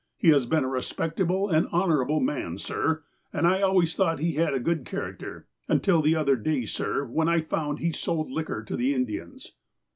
He has been a respectable and honourable man, sir, and I always thought he had a good character, until the other day, sir, when I found he sold liquor to the Indians."